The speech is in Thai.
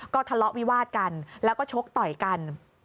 ก็ทะเลาะวิวาดกันแล้วก็ชกต่อยกัน